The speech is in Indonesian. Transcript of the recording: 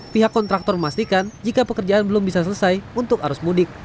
pihak kontraktor memastikan jika pekerjaan belum bisa selesai untuk arus mudik